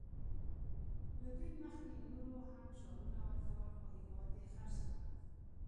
له دوی مخکې نورو هم شعارونه ورکول خو هېواد یې خرڅ کړ